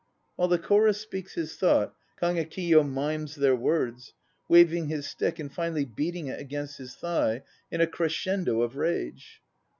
(While the CHORUS speaks his thought KAGEKIYO mimes their words, waving his stick and finally beating it against his thigh in a crescendo of rage.)